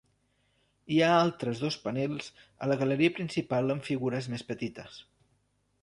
Hi ha altres dos panels a la galeria principal amb figures més petites.